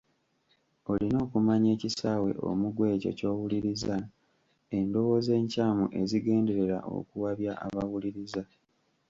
Olina okumanya ekisaawe omugwa ekyo ky’owuliriza, endowooza enkyamu ezigenderera okuwabya abawuluriza.